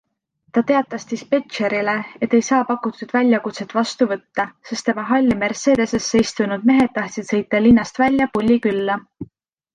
Ta teatas dispetšerile, et ei saa pakutud väljakutset vastu võtta, sest tema halli Mercedesesse istunud mehed tahtsid sõita linnast välja Pulli külla.